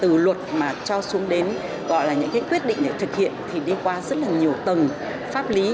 từ luật mà cho xuống đến gọi là những cái quyết định để thực hiện thì đi qua rất là nhiều tầng pháp lý